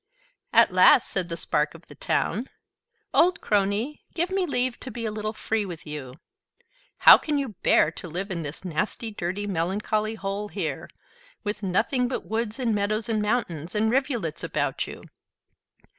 At last, says the spark of the town: "Old crony, give me leave to be a little free with you: how can you bear to live in this nasty, dirty, melancholy hole here, with nothing but woods, and meadows, and mountains, and rivulets about you?